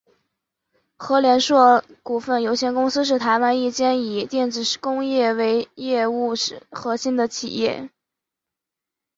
禾联硕股份有限公司是台湾一间以电子工业为业务核心的企业。